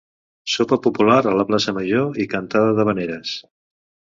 Sopar popular a la plaça Major i cantada d'havaneres.